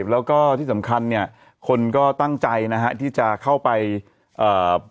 แล้วก็ที่สำคัญเนี่ยคนก็ตั้งใจนะฮะที่จะเข้าไปเอ่อ